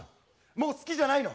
もう好きじゃないの？